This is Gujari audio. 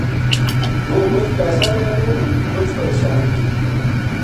وہ مُچ پیسا لیے گو ہوں مُچ پرشان تھی